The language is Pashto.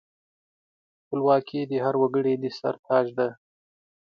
خپلواکي د هر وګړي د سر تاج دی.